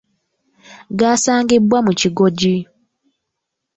Gasangibwa mu kigoji.